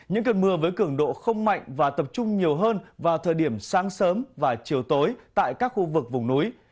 những cơn mưa với cường độ không mạnh và tập trung nhiều hơn vào thời điểm sáng sớm và chiều tối tại các khu vực vùng núi